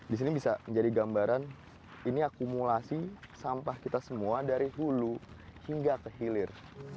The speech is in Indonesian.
di sini bisa menjadi gambaran ini akumulasi sampah kita semua dari hulu hingga ke hilir